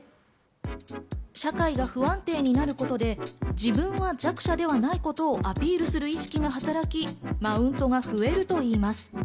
社会が不安定になることで自分は弱者ではないことをアピールする意識の働き、マウントが増えるといいます。